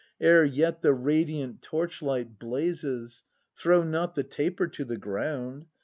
] Ere yet the radiant torchlight blazes. Throw not the taper to the ground